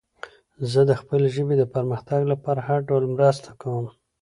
زه د خپلې ژبې د پرمختګ لپاره هر ډول مرسته کوم.